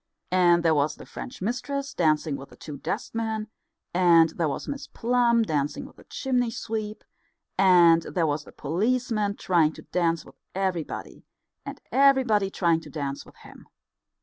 And there was the French mistress dancing with the two dustmen, and there was Miss Plum dancing with the chimney sweep, and there was the policeman trying to dance with everybody, and everybody trying to dance with him.